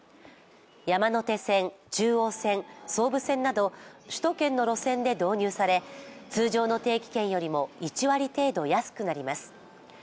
山手線、中央線、総武線など首都圏の路線で導入され通常の定期券よりも１割程度安くなります。